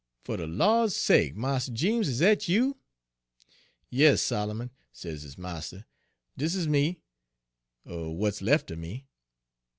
" 'Fer de Lawd's sake, Mars Jeems! is dat you?' " 'Yes, Solomon,' sez his marster, 'dis is me, er w'at's lef' er me.'